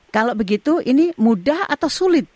kalau begitu ini mudah atau sulit